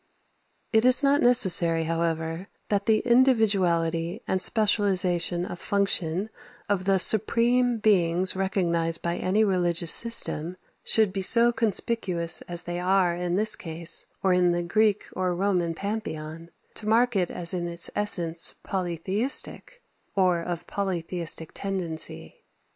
16. It is not necessary, however, that the individuality and specialization of function of the supreme beings recognized by any religious system should be so conspicuous as they are in this case, or in the Greek or Roman Pantheon, to mark it as in its essence polytheistic or of polytheistic tendency.